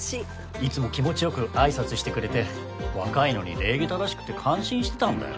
いつも気持ちよく挨拶してくれて若いのに礼儀正しくて感心してたんだよ。